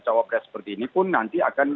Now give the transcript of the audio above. cawapres seperti ini pun nanti akan